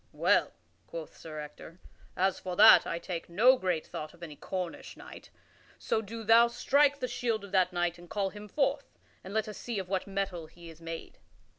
"Well," quoth Sir Ector, "as for that I take no great thought of any Cornish knight, so do thou strike the shield of that knight and call him forth, and let us see of what mettle he is made."